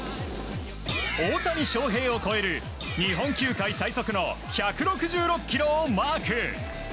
大谷翔平を超える日本球界最速の１６６キロをマーク。